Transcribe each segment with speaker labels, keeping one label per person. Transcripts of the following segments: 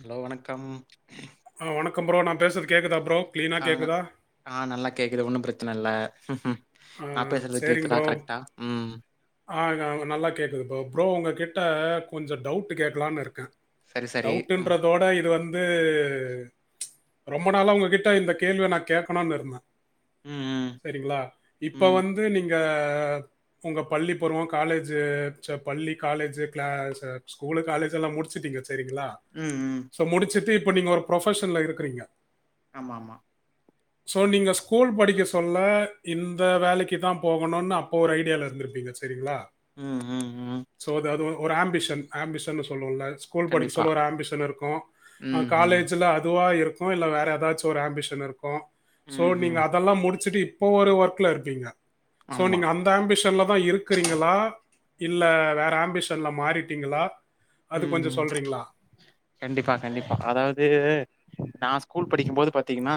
Speaker 1: Hello வணக்கம்
Speaker 2: ஆ வணக்கம் ப்ரோ நான் பேசுறது கேக்குதா ப்ரோ கிளீனா
Speaker 1: ஆஹ்
Speaker 2: கேக்குதா?
Speaker 1: ஆஹ் நல்லா கேக்குது ஒன்னும் பிரச் ல்ல ஹ்ஹூம்
Speaker 2: ஆ
Speaker 1: நான் பேசுறது
Speaker 2: சரிங்க
Speaker 1: கேக்குதா
Speaker 2: ப்ரோ.
Speaker 1: கரெக்டா உம்
Speaker 2: ஆ நல்லா கேட்குது ப்ரோ ப்ரோ உங்க கிட்ட கொஞ்சம் டவுட் கேட்கலான்னு இருக்கே
Speaker 1: சரி சரி ம்
Speaker 2: டவுட்ன்றதோட இது வந்து இதுவந்து ரொம்ப நாளா உங்ககிட்ட இந்த கேள்விய நான் கேட்கணும்னு இருந்தேன்
Speaker 1: ம்
Speaker 2: சரிங்களா இப்போ
Speaker 1: ம்
Speaker 2: வந்து நீங் உங்க பள்ளி பருவம் காலேஜ் பள்ளி காலேஜ் ஸ்கூல் காலேஜ் எல்லாம் முடிச்சிடிங்க சரிங்களா
Speaker 1: ம் ம்
Speaker 2: சோ முடிச்சுட்டு இ இப்ப நீங்க ஒரு ப்ரொபஷன்ல இருக்கிறீங்க
Speaker 1: ஆமா ஆமா
Speaker 2: சோ நீங்க ஸ்கூல் படிக்க சொல்ல இந்த இந்த வேலைக்கு தான் போகணும்னு அப்போ ஒரு ஐடியால இருந்துருப்பீங்க சரிங்களா
Speaker 1: உஹம் உஹம் உஹம்
Speaker 2: ஸோ, அது அது ஒரு ஆம்பிஷன் ஆம்பிஷன்னு சொல்லுவோல ஸ்கூல் படிக்க
Speaker 1: கண்டிப்பா
Speaker 2: சொல்ல ஒரு ஆம்பிஷன் இருக்கும்
Speaker 1: ம் ம்
Speaker 2: காலேஜ்ல அதுவா இருக்கும் இருக்கும் இல்ல வேற ஏதாச்சும் ஒரு ஆம்பிஷன் இருக்கும் சோ
Speaker 1: ம்
Speaker 2: நீங்க
Speaker 1: ம்
Speaker 2: அதெல்லாம் முடிச்சுட்டு இப்போ ஒரு ஒர்க் ல இருப்பீங்க சோ
Speaker 1: ஆமா
Speaker 2: நீங்க அந்த ஆம்பிஷன்ல தான் இருக்குறீங்களா இல்ல வேற ஆம்பிஷன்ல மாறிட்டீங்களா அது
Speaker 1: ம்
Speaker 2: கொஞ்சம்
Speaker 1: ம்
Speaker 2: சொல்றீங்களா?
Speaker 1: கண்டிப்பா கண்டிப்பா அதாவது நான் ஸ்கூல் படிக்கும் போது பாத்தீங்கனா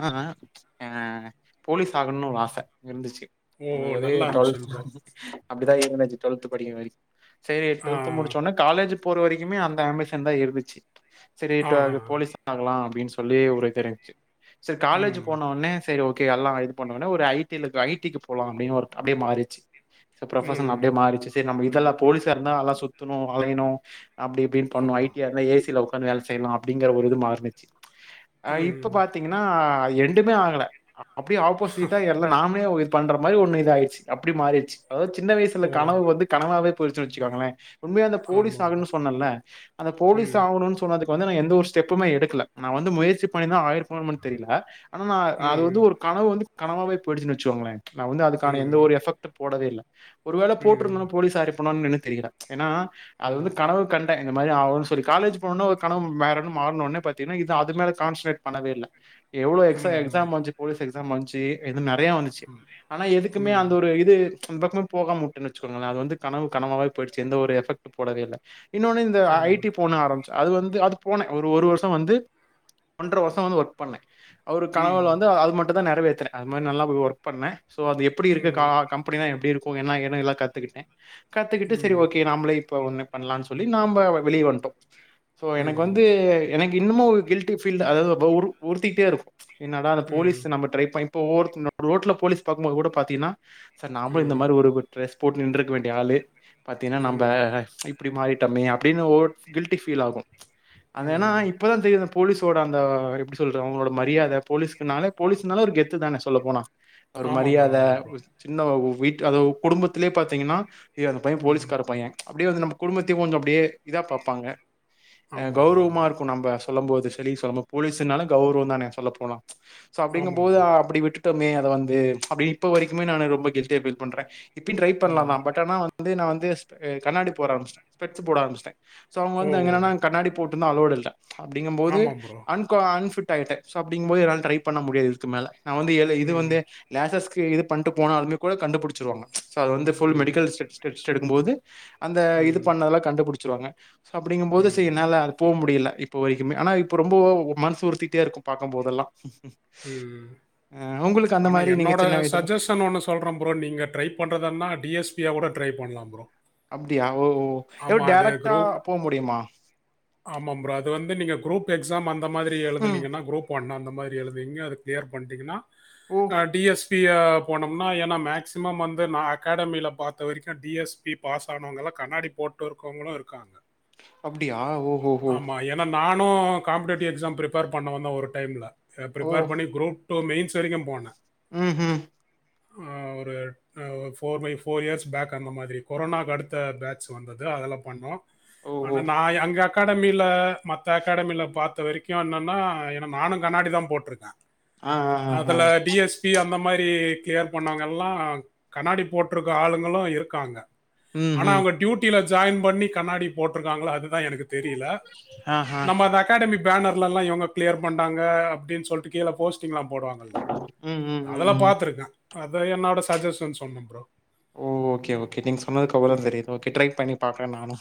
Speaker 1: அ போலீஸ் ஆகணும்னு ஒரு ஆசை இருந்துச்சு
Speaker 2: ஓ!
Speaker 1: அது மாரி
Speaker 2: நல்ல
Speaker 1: டுவல்த்
Speaker 2: ஆம்பிஷன் ப்ரோ.
Speaker 1: அப்டி தான் ‌இருந்தஜி டுவெல்த் படிக்கிற வரக் சரி
Speaker 2: ஆ.
Speaker 1: டுவெல்த் முடிச்சோன காலேஜ் போற வரைக்குமே அந்த ஆம்பிசன் தான் இருந்துச்சு சரி
Speaker 2: ஆ.
Speaker 1: போலீஸ் ஆகலாம் அப்டின்னு சொல்லி சொல்லியே ஊரே தெரிஞ்சு சரி காலேஜ்
Speaker 2: ம்.
Speaker 1: போன உடனே சரி ஓகே எல்லாம் இது பண்ணோனே ஒரு ஐ டி ஐடிக்கு போலாம் அப்டின்னு அப்டியே மாறுச்சு சோ ப்ரொஃபஷன்
Speaker 2: ம்.
Speaker 1: அப்டியே மாறிடுச்சு சரி நமக்கு இதெல்லாம் போலீசா இருந்தா நல்லா சுத்தணும் அலையணும் அப்டி இப்டினு பண்ணு ஐ
Speaker 2: ஆமா.
Speaker 1: டி யா இருந்தா ஏசில உக் உக்காந்து‌ வேலை‌ செய்யலாம் அப்டிங்குற ஒரு இது மாறுனுச்சு அ இப்ப
Speaker 2: ம்.
Speaker 1: பாத்தீங்கன்னா எ எதுமே ஆகல அப்டியே ஆப்போசீட்டா எல்லா நாமளே பண்ற மாரி ஒன்னு இது ஆயிச்சு அப்டி மாறிச்சு அதாவது சின்ன வயசுல
Speaker 2: ஓ!
Speaker 1: கனவு வந்து கனவாவே புரிஞ்சு வச்சுக்காங்களேன் உண்மையா அந்த போலீஸ்
Speaker 2: ஆமா ப்ரோ.
Speaker 1: ஆகனு சொன்னல்ல அந்த போலீஸ்
Speaker 2: ம்.
Speaker 1: ஆகணு சொன்னதுக்கு வந்து நான் எந்த ஒரு ஸ்டெப்புமே எடுக்கல நா வந்து முயற்சி பண்ணி தான் ஆயிருக்குமா தெரில ஆனா அது
Speaker 2: ம்.
Speaker 1: வந்து ஒரு கனவு வந்து கனவாவே போயிடேச்சுனு வச்சிக்கோங்களே நான் வந்து அதுக்கான எந்த
Speaker 2: ம்.
Speaker 1: ஒரு எஃபக்ட் போடவே இல்ல ஒரு வேளை
Speaker 2: ம்.
Speaker 1: போட்டிருந்தும் போலீஸ் ஆயிருப்பனோம்னு நினைத்து தெரியில ஏன்னா அது வந்து
Speaker 2: ம்.
Speaker 1: கனவு கண்டு இந்த மாரி ஆவோனு சொல்லி காலேஜ் போனா ஒரு கணவு வேறனு மார்னனோ பாத்தீங்கனா இது அது மேல கான்சன்ட்ரேட் பண்ணவே இல்லை எவ்ளோ எக்ஸ
Speaker 2: ம்.
Speaker 1: எக்ஸாம் வந்துச்சு போலிஸ் எக்ஸாம் [unintelligible] நிறைய வந்துச்சு ஆனா எதுக்குமே
Speaker 2: ம்.
Speaker 1: அந்த ஒரு இது அந்த பக்கமே போகாம விட்டோம்ன்னுவச்சுக்கோங்களே அதுவந்து கனவு கனவாவவேபோயிடுச்சு எந்த ஒரு எஃபக்ட் போடவே இல்ல இன்னொன்னு இந்த
Speaker 2: ஆமா
Speaker 1: ஐடி
Speaker 2: ப்ரோ.
Speaker 1: போண்ண ஆரம்பிச்சு அது வந்து அது போனேன் ஒரு ஒரு வருஷம் வந்து ஒன்றரை வருஷம் வந்து ஒர்க் பண்ணேன் அவர் கணவுல
Speaker 2: ம்.
Speaker 1: வந்து அது மட்டும் தான் நிறவேற அது மாரி நல்லா போய் ஒர்க் பண்ண சோ அது எப்படி இருக்கு க
Speaker 2: ம்.
Speaker 1: கம்பெனி தா எப்படி இருக்கும் என்னா எல்லா கத்துக்கிட்டே கத்துக்கிட்டு சரி
Speaker 2: ம். ம்.
Speaker 1: ஓகே நம்மளு இப்ப ஒண்ணே பண்ணலான்னு சொல்லி நாம வெளியே வந்துட்டோம் சோ எனக்கு
Speaker 2: ம்.
Speaker 1: வந்து எனக்கு இன்னமும் ஒரு கில்டிஃபீல் அதாவது உறு உறுத்திட்டே இருக்கும் என்னடா அந்த போலீஸ் நம்ம ட்ரை பண் இப்ப ஒவ்வருத்த ரோட்ல போலீஸ்பார்க்கும்பது கூட பாத்தீங்கன்னா சா நாமளும் இந்த
Speaker 2: ம்.
Speaker 1: மாதிரி ஒரு ஒரு ட்ரஸ் போட்டு நின்றிருக்க வேண்டிய ஆளு பார்த்தீங்கன்னா நம்ப
Speaker 2: ம்.
Speaker 1: இப்படி மாறிட்டமே அப்படின்னு ஓ கில்டி ஃபீல் ஆகும் அது ஏன்னா
Speaker 2: ம்.
Speaker 1: இப்பதா தெரியுது போலீஸோட அந்த எப்படி சொல்றது அவங்களோட மரியாத போலீஸ்கனால போலீஸ்னால ஒரு கெத்து தானே சொல்ல போனா அவரு
Speaker 2: ஆமா ப்ரோ,
Speaker 1: மரியாத
Speaker 2: ஆமா ப்ரோ.
Speaker 1: சின்ன வீட் அதும் குடும்பத்திலயே பார்த்தீங்கன்னா ஏ அந்த பையன்
Speaker 2: ம்.
Speaker 1: போலீஸ்கார பையன் அப்படியே வந்து நம்ம குடும்பத்தையும் கொஞ்சம் அப்படியே இதா பார்ப்பாங்க அ
Speaker 2: ஆமா ப்ரோ, ஆமா
Speaker 1: கௌரவமா
Speaker 2: ப்ரோ.
Speaker 1: இருக்கும் நம்ப சொல்லும் போது வெளிய சொல்லு போலீசுனாலே கௌரவம் தான்னே சொல்ல போனா சோ அப்டிங்கும்
Speaker 2: ஆமா
Speaker 1: போது
Speaker 2: ப்ரோ.
Speaker 1: அப்டி விட்டுட்டு மே அத வந்து அப்டி இப்ப வரைக்குமே நானு ரொம்ப கில்டியா பில் பண்றே இப்டினு ட்ரை பண்ணலாமா
Speaker 2: ம்.
Speaker 1: தா பட் ஆனா வந்து நா வந்து ஆ கண்ணாடி போட ஆரபிச்சிட்ட ஸ்பெக்ஸ் போட ஆரபிச்சிட்ட சோ அவங்க
Speaker 2: ஓ!
Speaker 1: வந்து எங்கன்னா கண்ணாடி போட்டு இருந்த அலோட் இல்ல அப்டிங்க போது
Speaker 2: ஆமா ப்ரோ.
Speaker 1: அன் ஃபிட் ஆயிட்ட சோ அப்டிங்கும் போது என்னால ட்ரை பண்ண முடியாது இதுக்கு மேல நா வந்து எது இது
Speaker 2: ம்.
Speaker 1: வந்து லசஸ் இது பன்ட்டு போனாலுமே கூட கண்டுபிடிச்சிருவாங்க சோ அது வந்து ஃபுல்
Speaker 2: ம்.
Speaker 1: மெடிக்கல் செக்க்ஷன் ஸ்டடு எடுக்கும்போது அந்த இது
Speaker 2: ம்.
Speaker 1: பண்ணதல்லா கண்டுபிடிச்சு ருவாங்க சோ அப்டிங்கும் போது செரி
Speaker 2: ம்.
Speaker 1: என்னால அது போ முடியல இப்போ வரைக்குமே ஆனா இப்ப ரொம்ப மனசு உறுத்திட்டே இருக்கும் பாக்கப போதெல்லாம்
Speaker 2: ம்
Speaker 1: உங்களுக்கு அந்த
Speaker 2: ஆனா
Speaker 1: மாரி நீங்க
Speaker 2: என்னோட
Speaker 1: சின்ன வயசுல
Speaker 2: சஜஷன் ஒண்ணு சொல்றேன் ப்ரோ நீங்க ட்ரை பண்றதுனா டிஎஸ்பி கூட ட்ரை பண்ணலா ப்ரோ
Speaker 1: அப்டியா ஓ ஓ
Speaker 2: ஆமா. அது
Speaker 1: டேரக்ட்டா
Speaker 2: குரூப்
Speaker 1: போ முடியுமா
Speaker 2: ஆமாம் ப்ரோ. அது வந்து நீங்க குரூப் எக்ஸாம் அந்த மாரி
Speaker 1: ம்
Speaker 2: எழுதுனிங்கன்னா குரூப் ஒன் அந்த அப்படி எழுதுங்கோ அது கிளியர் பண்ணிடிங்கன்னா
Speaker 1: ஓ
Speaker 2: ஆ டி எஸ் பிய போனோம்னா ஏன்னா மேக்ஸ்சிமம் வந்து நா அகாடமில பாத்த வரைக்கும் டிஎஸ்பி பாஸ் ஆனவங்க எல்லாம் கண்ணாடி போட்டு இருக்கவங்களும் இருக்காங்க
Speaker 1: அப்டியா ஓ ஓ ஓ
Speaker 2: ஆமா. ஏன்னா நானும் காம்படேட்டிவ் எக்ஸாம் ப்ரிப்பேர் பண்ண வந்தா ஒரு டைம் ல ப்ரிப்பேர் பண்ணி குரூப் டூ மெயின்ஸ் வரைக்கும் போன
Speaker 1: ம் ம்
Speaker 2: ஒரு four my four years back அந்த மாதிரி கொரோனாக்கு அடுத்த பேட்ச் வந்தது அதெல்லா பண்ணோ
Speaker 1: ஓஹோ
Speaker 2: ஆனா நா அங்க அகாடமில மத்த அகாடமில பாத்த வரைக்கும் என்னன்னா எனா நானுங கண்ணாடி தா போட்ருக்கே
Speaker 1: ஆ ஆ ஆ ஆ
Speaker 2: அதுல டி எஸ் பி அந்த அந்த மாதிரி கிளியர் பண்ணாங்க எல்லாம் கண்ணாடி போட்டிருக்க ஆளுங்களும் இருக்காங்க
Speaker 1: ம்
Speaker 2: ஆனா
Speaker 1: ம்
Speaker 2: அவங்க டியூட்டில ஜாயின் பண்ணி கண்ணாடி போட்டிருக்காங்கள அதுதா எனக்கு தெரில
Speaker 1: ஆ ஹா
Speaker 2: நம்ம அந்த அகாடமி பேனர்ல எல்லாம் இவங்க கிளியர் பண்ணாங்க அப்படின்னு சொல்லிட்டு கீழ போஸ்ட் லா போடுவாங்கல
Speaker 1: ம் ம் ம்
Speaker 2: அதெல்லா
Speaker 1: ம்
Speaker 2: பாத்திருக்க அதா என்னோட சஜஷன் சொன்ன ப்ரோ
Speaker 1: ஓ ஓகே கே நீங்க சொன்னதுக்கு
Speaker 2: ம்
Speaker 1: அப்ரம் தெரிது ஓகே ட்ரை பண்னி பாகுற நானு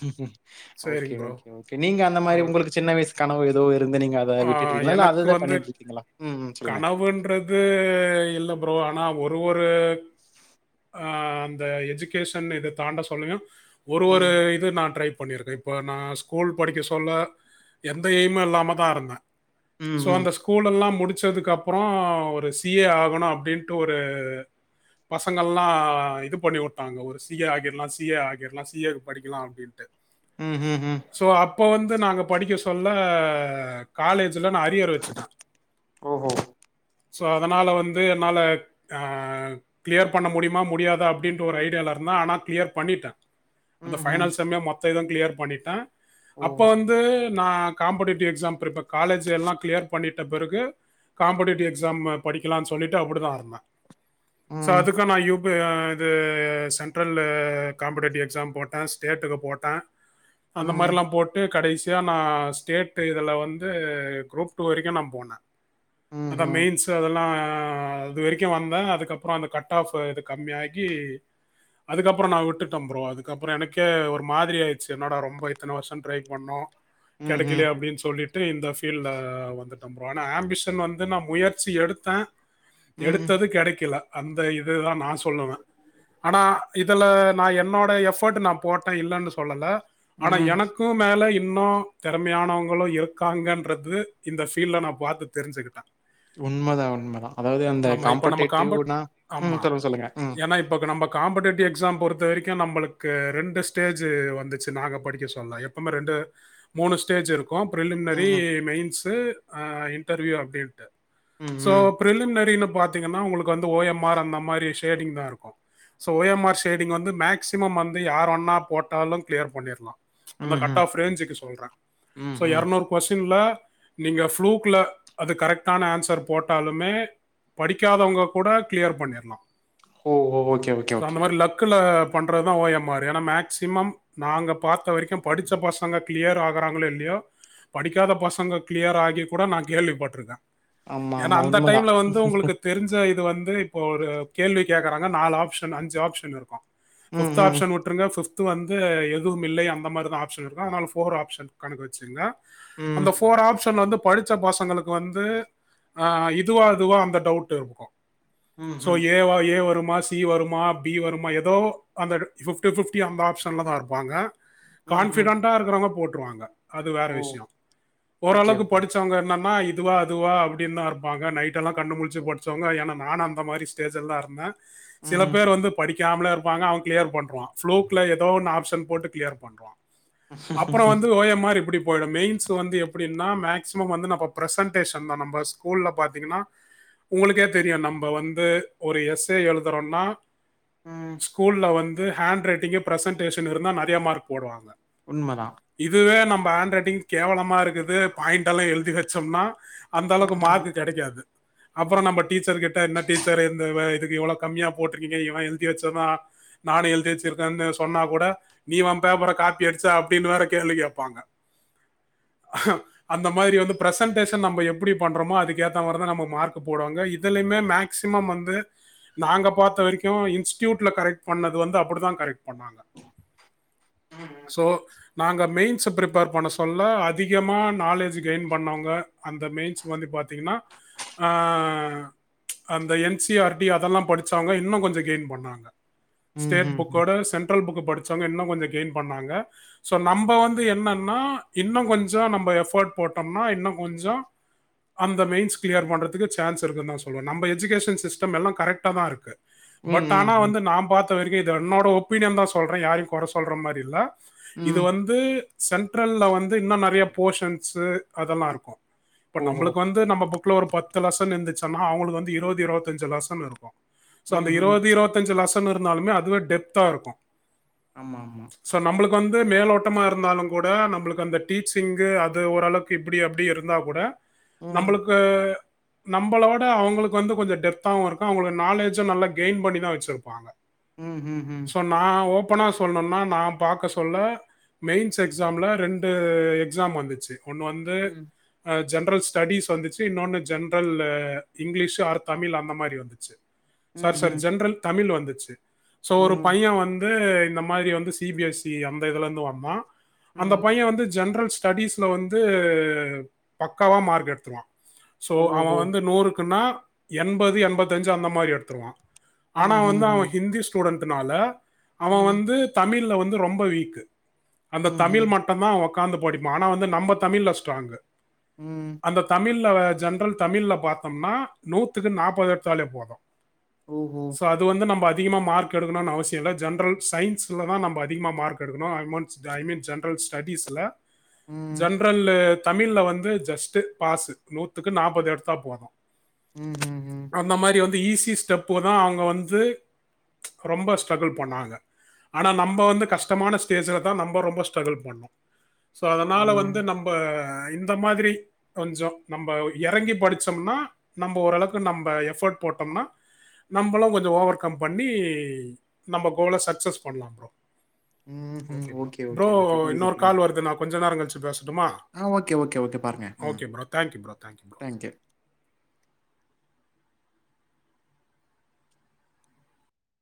Speaker 2: சரிங்க
Speaker 1: ஒகே
Speaker 2: ப்ரோ.
Speaker 1: ஒகே நீங்க அந்த மாரி உங்களுக்கு சின்ன வயசுல கனவு ஏதோ
Speaker 2: ஆ எனக்கு வந்து
Speaker 1: ம் ம் சொல்லுங்க
Speaker 2: கனவுன்றது இல்ல ப்ரோ ஆனா ஒரு ஒரு ஒரு அ அந்த எஜுகேஷன் இத தாண்ட சொல்லுங்க ஒரு ஒரு
Speaker 1: ம்
Speaker 2: இது நா ட்ரை பண்ணியிருக்கே இப்ப நா ஸ்கூல் படிக்க சொல்ல எந்த எய்ம் இல்லாம தா இருந் ம
Speaker 1: ம்
Speaker 2: சோ
Speaker 1: ம்
Speaker 2: அந்த ஸ்கூல்லெல்லா முடிச் ச்சதுக்கப்புறோ ஒரு சி ஏ ஆகணு அப்பிடின்ட்டு ஒரு பசங்கள்லா இது பண்ணி உட்டாங்கோ ஒரு சி ஏ ஆகிரலா சி ஏ ஆகிரலா சி ஏ படிக்கலா அப்டின் ட்டு
Speaker 1: ம் ம் ம்
Speaker 2: சோ அப்ப வந்து நாங்க படிக்க சொல்ல ஆ காலேஜ் ல நா அரியர வச்சுட்டே
Speaker 1: ஓஹோ
Speaker 2: சோ அதனால வந்து என்னால ஆஹ் கிளியர் பண்ண முடியுமா முடியாதா அப்டின்டு ஒரு ஐடியாவுல இருந்தா ஆனா கிளியர் பண்ணிட்ட அந்த
Speaker 1: ம் ம்
Speaker 2: பைனல்செம்மே மொத் ததுமே கிளியர் பண்ணிட்டே
Speaker 1: ஓ
Speaker 2: அப்ப வந்து நா காம்படிேடிவ் எக்ஸாம் பிரிபர் காலேஜ் எல்லா கிளியர் பண்ணிட்ட பிறகு காம்படேட்டிவ் எக்ஸாம் படிக்கலான்னு சொல்லிட்டு அப்பிடிதா இருந்தே சோ
Speaker 1: ம்
Speaker 2: அதுக்கு நா யூப் [unintelligible] இப்ப இது சென்ட்ரலு காம்படேட்டிவ் எக்ஸாம் போட்டே ஸ்டேட்டுக்கு போட்டே அந்த
Speaker 1: ம்
Speaker 2: மாரில்லா போட்டு கடைசி யான ஸ்டேட் இதுல வந் து குரூப் டூ வரைக்கு நா போன அதா
Speaker 1: ம்ஹ்ம்
Speaker 2: மெயின்ஸ் அதெல்லா ஆஹ் அது வரைக்கு வந்தே அதுக்கப்புற அந்த கட் ஆஃப்பு இது கம்மியாகி அதுக்கப்புறோ நா விட்டுட்டே ப்ரோ அதுக்கப்புறோ எனக்கே ஒரு மாரி ஆயிடுச்சு என்னடா ரொம்ப இத்தன வருஷ ட்ரை பண்ணோ
Speaker 1: ம்ஹ்ம்
Speaker 2: கெடைக்கலேயே அப்டின்னு சொல்லிட் டு இந்த ஃபீல்ட்ல வந்துட்டே ப்ரோ ஆனா ஆம்பிஷன் வந்து நா முயற்சி எடுத்தே
Speaker 1: ம்
Speaker 2: எடுத்தது கெடைக்கில அந்த இதுதா நா சொல்லுவே ஆனா இதுல நா என்னோட எஃபர்ட் நா போட்டே இல்லேன்னு சொல்லல்ல ஆனா
Speaker 1: ம்
Speaker 2: எனக்கும் மேல இ இன்னு தெறமையானவங்களு இருக் காங்கன்றது இந்த ஃபீல்ட்ல நா பாத்து தெரிஞ்சிகிட்டே
Speaker 1: உண்மதா உண்மதா அதாவது அந்த
Speaker 2: ஆமா. இப்ப நம்ம காம்பட்
Speaker 1: காம்படேட்டிவ்ன்னா உம் சொல்லுங்க சொல்லுங்க உம்
Speaker 2: காம்படேடிவ் எக்ஸாம் பொறுத்த வரைக்கு நமபளுக்கு ரெண்டு ஸ்டேஜு வந்துச்சு நாங்க படிக்க சொல்ல எப்பமே ரெண்டு மூணு ஸ்டேஜு இருக்கும் ப்ரிலிம்னரி
Speaker 1: ம்ஹ்ம்.
Speaker 2: மெய்ன்ஸு ஆஹ் இன்டர்வியூ அப்டின்ட்டு சோ
Speaker 1: ம்ஹ்ம்.
Speaker 2: பிரிலிம்னரினு பாத் திங்கனா உங்களுக்கு வந்து ஓ எம் ஆர் அந்த மாரி ஷேடிங்தா இருக்கு so O M R shading வந்து மேக்சிமம் வந்து யாரண்ணா போட்டாலு கிளியர் பண்ணிடலா அந்த கட்
Speaker 1: ம்ஹ்ம்.
Speaker 2: ஆஃப் ரேஞ்ஜுக்கு சொல்ற சோ
Speaker 1: ம்ஹ்ம்.
Speaker 2: எரநூறு கொஸ் டீன்ல நீங்க ஃப்ளூக்ல அது கரெக்டான ஆன்சர் போட்டாலுமே படிக்காதவங்க கூட கிளியர் பண்ணிறலா
Speaker 1: ஓ! ஓ! ஓகே, ஓகே,
Speaker 2: சோ அந்த
Speaker 1: ஓகே.
Speaker 2: மாரி லக்குல பண்றதுதா ஓ எம் ஆரு ஏன்னா மேக்சிமம் நாங்க பாத்த வரைக்கு படிச்ச பசங்க கிளியர் ஆகறாங்களோ இல்லையோ படிக்காத பசங்க கிளியர் ஆகி கூட நா கேள்விபட்டிருக்கே
Speaker 1: ஆமா,
Speaker 2: ஏன்னா
Speaker 1: ஆமா.
Speaker 2: அந்த
Speaker 1: உண்மதான்.
Speaker 2: டைம்ல வந்து உங்களுக்கு தெரிஞ்ச இது வந்து இப்போ ஒரு கேள்வி கேக்கறாங்க நாலு ஆப்ஷன் அஞ்சு ஆப்ஷன் இருக்கு ஃபிப்த்
Speaker 1: ம்ஹ்ம்.
Speaker 2: ஆப்ஷன் விட்ருங்க ஃபிப்த் து வந்து எதுவும் இல்லை அந்த மாரிதா ஆப்ஷன் இருக்கு அதனால ஃபோர் ஆப்ஷன் கணக்கு வச் சிங்க
Speaker 1: ம்.
Speaker 2: அந்த ஃபோர் ஆப்ஷன் வந்து படிச்ச பசங்களுக்கு வந்து ஆ இதுவா அதுவா அந்த டவுட்டு இருக்கு சோ
Speaker 1: ம்ஹ்ம்.
Speaker 2: ஏவா ஏ வரும் சி வருமா பி வருமா ஏதோ அந்த ஃபிப்டி ஃபிப்டி அந்த ஆப்ஷன்ல தா இருப்பாங்க
Speaker 1: ம்ஹ்ம்.
Speaker 2: கான்பிடன்டா இருக்கறவங்க போட் ட்ருவாங்க அது வேற
Speaker 1: ஓ!
Speaker 2: விஷ்ய
Speaker 1: ஓகே,
Speaker 2: ஓரளவுக்கு
Speaker 1: ஓகே.
Speaker 2: படிச்சவங்க என்னன்னா இ இதுவா அதுவா அப்டின்னுதா இருப்பாங்க நைட்டெல்லா கண்ணு முழிச்சி படிச்சவங்க ஏன்னா நானு அந்த மாரி ஸ்டேஜ் எல்லா இருந்தே சில
Speaker 1: ம்ஹ்ம்.
Speaker 2: பேர் வந்து படிக் கம்ல இருப்பாங்க அவ கிளியர் பண் ணுவா ஃப்ளோக்ல ஏதோ ஒன் ஆப்ஸ் ன் போட்டு கிளியர் பண்றுவா அப்புறம் வந்து ஓ எம் ஆர் இப்டி போயிடும் மெய்ன்ஸ் வந்து எப்டின்னா மேக்ஸிமம் வந்து நா ப ப்ரஸன்டேசன் நம்ப ஸ்கூல்ல பாத்தீங்கன்னா உங்களுக்கே தெரியும் நம்ம வந்து ஒரு எஸ் ஏ எழுதுறோன்னா
Speaker 1: ம்.
Speaker 2: ஸ்கூல்ல வந் து ஹேண்ட் ரைட்டிங்கு ப்ரசன்டேஷன் இருந்தால நெறைய மார்க் போடுவாங்க
Speaker 1: உண்மதான்.
Speaker 2: இதுவே நம் ப்ப ஹேண்ட் ரைட்டிங் கேவலமா இருக்குது பாயிண்ட் எல்லாம் எழுதி வச்சோம்னா அந்த அளவுக்கு
Speaker 1: ம்ஹ்ம்.
Speaker 2: மார்க்கு கிடைக்காது
Speaker 1: ம்.
Speaker 2: அப்புறம் நம்ம டீச்சர் கிட்ட என்ன டீச்சர் எந்த வ இதுக் இவ்ளோ கம்மியா போட்டுருக்கீங்க எனா எழுதி வச்சோன்னா நானும் எழுத்தி வச்சுருக்கன்னு சொன்னா கூட நீ இவம் பேப்ர காப்பி அடிச்சா அப்டின்னு வேற கேள்வி கேப்பாங்க அந்த மாதிரி வந்து ப்ரசன்டேஷன் நம்ம எப்டி பண்றோமோ அதுக்கு ஏத்த மாரிதா நம்ம மார்க் போடுவாங்க இதுலயுமே மேக்சிமம் வந்து நாங்க பார்த்த வரைக்கும் இன்ஸ்டடியூட்ல கரெக்ட் பண்ணது வந்து அப்படிதா கரெக்ட் பண்ணாங்க சோ நாங்க மெயின் சப்ரிப் பேர் பண்ண சொல்ல அதிகமா நாலேஜ் கெயின் பண்ணவங்க அந்த மெயின்ஸ் வந்து பாத்தீங்கன்னா ஆ அந்த என் சி ஆர் டி அதெல்லா படிச்சவங்க இன்னு கொஞ்ச கெயின் பண்ணாங்க ஸ்டேட்
Speaker 1: ம்ஹ்ம்.
Speaker 2: புக்கோட சென்ட்ரல் புக் படி சவங்க இன்னு கொஞ்சோ கெயின் பண்ணாங்க சோ நம்ம வந்து என்னன் னா இன்னு கொஞ்சோ நம்ப எஃபோட் போட்டோம்னா இன்னு கொஞ்சோ அந்த மெயின்ஸ் கிளியர் பண்றதுக்கு சான்ஸ் இருக்குன்னு நா சொல்வே நம்ப எஜுகேஸன் சிஸ்டம் எல்லா கரெக்டா தா இருக்கு
Speaker 1: ம்.
Speaker 2: பட்
Speaker 1: ம்.
Speaker 2: ஆனா
Speaker 1: ம்.
Speaker 2: வந்து நா பாத் வரைக்கு இது என்னோட ஒபீனியன் தா சொல்றே யாரையு கெற சொல்ற மாரி இல்ல இது
Speaker 1: ம்.
Speaker 2: வந்து சென்ட்ரல்ல வந்து இன்னு நெறைய போஷன்சு அதெல்லா இருக்கு இப்போ
Speaker 1: ஓஹோ!
Speaker 2: நம்மளுக்கு வந்து நம்ம புக்ல ஒரு பத்து லெசன் இருந்துச்சுன்னா அவங்களுக்கு வந்து இருவது இருவத்தஞ்சு லெசன் இருக்கு சோ அந்த
Speaker 1: ம்ஹ்ம்.
Speaker 2: இருவது இருவத்திஞ்சு லெச இருந்தாலுமே அதுவே டெப்தா இருக்கு
Speaker 1: ஆமா, ஆமா.
Speaker 2: சோ நம்மளுக்கு வந்து மேலோட்டமா இருந்தாலு கூட நம்மளுக்கு அந்த டீச்சிங்கு அது ஓரளவுக்கு இப்டி அப்டி இருந்தா கூட
Speaker 1: ம்.
Speaker 2: நம்மளுக்கு நம்மளோட அவங்களுக்கு வந்து கொஞ்ச டெப்த்தாவு இருக்கு அவங்கோ நாலேஜும் நல்லா கெயின் பண்ணிதா வெச்சிருப்பாங்க
Speaker 1: உம் ஹும் ஹும்
Speaker 2: பனா சொல்லணும்னா நா பாக்க சொல்ல மெயின் ஸ் எக்ஸாம்ல ரெண்டு எக்ஸாம் வந்துச்சு ஒண்ணு வந்து
Speaker 1: ம்.
Speaker 2: அஹ் ஜென்ரல் ஸ்டடிஸ் வந்துச்சு இன்னொன்னு ஜென்ரல் இங்கிலீஷ் ஆர் தமிழ் அந்த மாரி வந்துச்சு சார் சாரி
Speaker 1: ம்ஹ்ம்.
Speaker 2: ஜென்ரல் தமிழ் வந்தது சு சோ ஒரு
Speaker 1: ம்.
Speaker 2: பைய வந்து இந்த மாரி வந்து சி பி எஸ் சி அந்த இதுல இருந்து வந்தா அந்த
Speaker 1: ம்.
Speaker 2: பைய வந்து ஜென்ரல் ஸ்டடிஸ்ல வந்து பக்காவா மார்க் எடுத்துடுவா சோ அவ
Speaker 1: ஓஹோ!
Speaker 2: வந்து நூறுக்குன்னா என்பது என்பத்தஞ்சு அந்த மாரி எடுத்துருவா ஆனா வந்து அவன்
Speaker 1: ம்ஹ்ஹ்ம்
Speaker 2: ஹிந்தி ஸ்டூடெண்ட் நால அவ
Speaker 1: ம்
Speaker 2: வந்து தமிழ்ல வந்து ரொம்ப வீக்கு அந்த தமிழ்
Speaker 1: ம்ஹ்ம்
Speaker 2: மட்டுதா உக்காந்து போடு ஆனா வந்து நம்ம தமிழ்ல ஸ்ட்ராங்கு
Speaker 1: ம்
Speaker 2: அந்த தமிழ் ஜெனரல் தமிழ்ல பாத்தோம்னா நூத்துக்கு நாப்பது எடுத்தாலே போது
Speaker 1: ஓஹோ!
Speaker 2: சோ அது வந்து நம்ம அதிகமா மார்க் எடுக்கணும்னு அவசியோ இல்ல ஜென்ரல் சயின்ஸ்ல தா நம்ம அதிகமா மார்க் எடுக்கணு அதிக ஐ மீன் ஜென்ரல் ஸ்டடிஸ்ல
Speaker 1: ம்
Speaker 2: ஜென்ரல்லு தமிழ்ல வந்து ஜஸ்ட் பாஸு நூத்துக்கு நாப்பது எடுத்தா போதும்
Speaker 1: ம்ஹ்ஹ்ம்
Speaker 2: அந்த மாறி வந்து ஈஸி ஸ்டெப்பு தா அவங்க வந்து ரொம்ப ஸ்ட்ரகில் பண்ணாங்க ஆனா நம்ம வந்து கஷ்டமான ஸ்டேஜல தா நம்ப ரொம்ப ஸ்ட்ரகில் பண்ணோ சோ அதனால வந்து
Speaker 1: ம்
Speaker 2: நம்ப இந்த மாதிரி கொஞ்சம் நம்ப இறங்கி படிச்சோம்னா நம்ப ஓரளவுக்கு நம்ப எஃபர்ட் போட்டோம்னா நம்பளும் கொஞ்சம் ஓவர் கம் பண்ணி நம்ப கோல சக்சஸ் பண்ணலாம் ப்ரோ
Speaker 1: ம்ஹ்ம்.
Speaker 2: Okay bro bro
Speaker 1: okay, okay. புரியுது,
Speaker 2: இன்னொரு
Speaker 1: புரியுது.
Speaker 2: கால் வருது நா கொஞ்ச நேரம் கழிச்சு பேஸ்
Speaker 1: ஆ ஓகே ஓகே ஓகே பாருங்க ம்
Speaker 2: bro thank you bro bro
Speaker 1: thank you